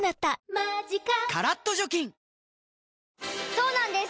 そうなんです